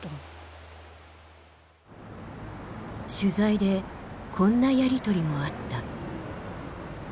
取材でこんなやり取りもあった。